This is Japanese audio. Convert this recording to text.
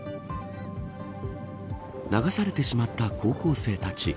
流されてしまった高校生たち。